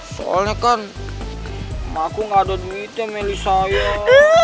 soalnya kan mama aku gak ada duitnya meli sayang